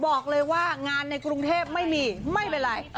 บอกเลยว่างานในกรุงเทพไม่มีไม่เป็นไร